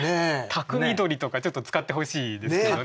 「番匠鳥」とかちょっと使ってほしいですよね。